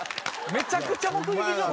めちゃくちゃ目撃情報。